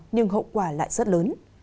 nhưng hậu quả lại rất lớn